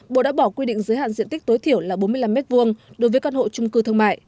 bộ đã bỏ quy định giới hạn diện tích tối thiểu là bốn mươi năm m hai đối với căn hộ trung cư thương mại